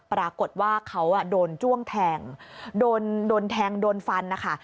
ปรากฏว่าเขาโดนจ้วงแทงโดนแทงโดนฟันนะคะ